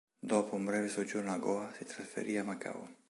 Dopo un breve soggiorno a Goa si trasferì a Macao.